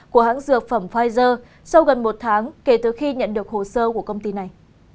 của hãng dược phẩm pfizer sau gần một tháng kể từ khi nhận được hồ sơ của công ty này